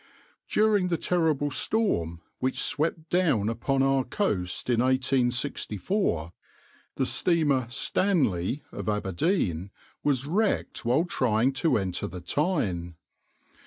\par During the terrible storm which swept down upon our coast in 1864, the steamer {\itshape{Stanley}} of Aberdeen was wrecked while trying to enter the Tyne.